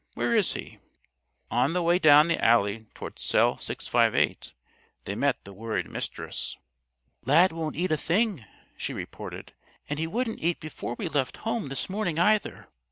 Where is he?" On the way down the alley toward Cell 658 they met the worried Mistress. "Lad won't eat a thing," she reported, "and he wouldn't eat before we left home this morning, either.